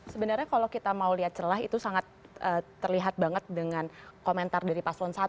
sebenarnya kalau kita mau lihat celah itu sangat terlihat banget dengan komentar dari paslon satu